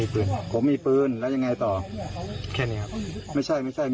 เป็นมันทางดังใช่ไหม